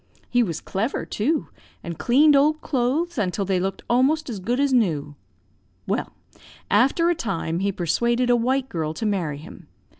He was clever, too, and cleaned old clothes until they looked almost as good as new. Well, after a time he persuaded a white girl to marry him.